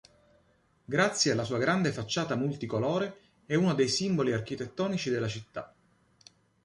Grazie alla sua grande facciata multicolore è uno dei simboli architettonici della città.